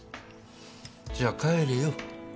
じゃあ帰れよ。